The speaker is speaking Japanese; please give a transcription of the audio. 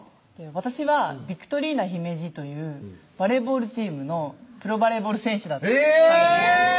私はヴィクトリーナ姫路というバレーボールチームのプロバレーボール選手だったんですえぇ！